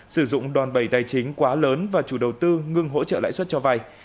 sử dụng đòn bầy tài chính quá lớn và chủ đầu tư ngừng hỗ trợ lãi suất cho vay